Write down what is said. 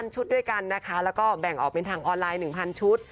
ชุดด้วยกันนะคะแล้วก็แบ่งออกเป็นทางออนไลน์๑๐๐ชุด